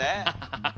ハハハッ。